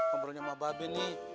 ngobrolnya sama bapak bini